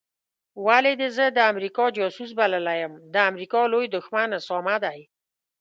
ولي دي زه د امریکا جاسوس بللی یم د امریکا لوی دښمن اسامه دی